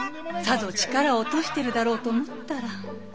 さぞ力を落としているだろうと思ったら。